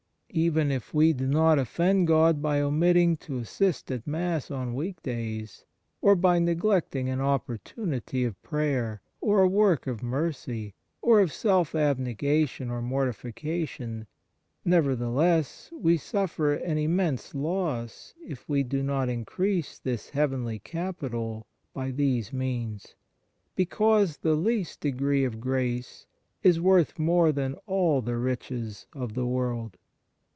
Even if we do not offend God by omitting to assist at Mass on week days, or by neglecting an opportu nity of prayer, or a work of mercy, or of 6 ON THE NATURE OF GRACE self abnegation or mortification, neverthe less, we suffer an immense loss if we do not increase this heavenly capital by these means, because the least degree of grace is worth more than all the riches of the world.